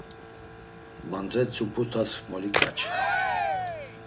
Mandretzup̌ut̆as moliǩaçu.